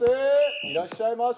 いらっしゃいませ！